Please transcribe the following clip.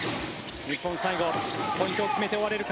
日本、最後、ポイントを決めて終われるか。